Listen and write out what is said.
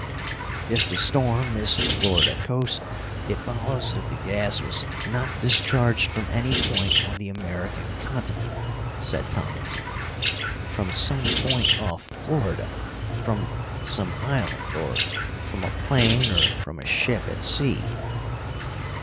"If the storm missed the Florida coast, it follows that the gas was not discharged from any point on the American continent," said Tomlinson. "From some point off Florida from some island, or from a plane or from a ship at sea."